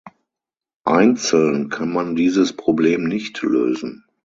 Einzeln kann man dieses Problem nicht lösen.